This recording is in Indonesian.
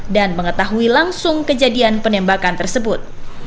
dan mengetahui langsung kejadian penembakan tersebut